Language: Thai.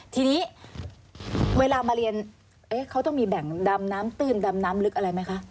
ทีนี้เวลามาเรียนเขาต้องมีแบ่งดำน้ำตื้นดำน้ำลึกอะไรไหมคะ